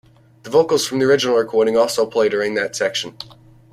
The vocals from the original recording also play during that section.